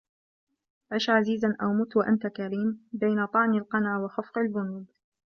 عش عزيزا أو مت وأنت كريم بين طعن القنا وخفق البنود